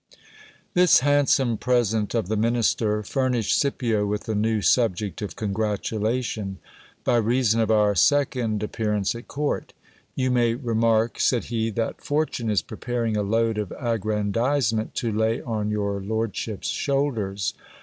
This handsome present of the minister furnished Scipio with a new subject of congratulation, by reason of our second appearance at court. You may remark, said he, that fortune is preparing a load of aggrandizement to lay on your lord ship's shoulders.